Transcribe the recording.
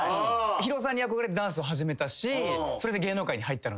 ＨＩＲＯさんに憧れてダンスを始めたしそれで芸能界に入ったので。